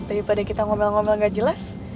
daripada kita ngomel ngomel gak jelas